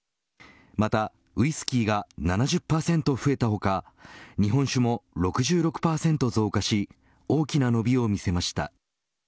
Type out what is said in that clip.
またウイスキーが７０％増えた他日本酒も６６％増加し大きな伸びを見せました。